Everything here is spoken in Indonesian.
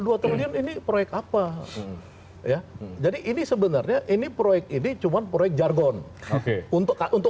dua triliun ini proyek apa ya jadi ini sebenarnya ini proyek ini cuma proyek jargon untuk